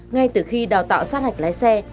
ngay từ khi đào tạo sát hạch lái xe